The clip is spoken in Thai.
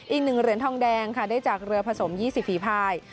อีก๑เหรียญทองแดงค่ะได้จากเรือผสม๒๐ฝีภาย